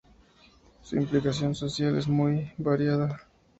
Su implicación social es muy variada.